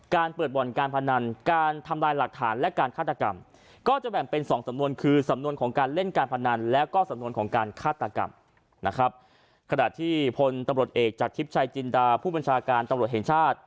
คนตำรวจเอกจากชิปชายจินตาผู้บัญชากันตำรวจเหตุชาติ